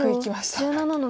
白１７の九。